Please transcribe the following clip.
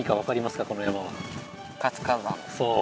そう。